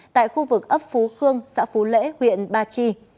tại khu vực ấp phú khương xã phú lễ huyện ba chi